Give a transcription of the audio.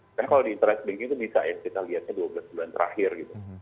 karena kalau di interest banking itu bisa ya kita lihatnya dua belas bulan terakhir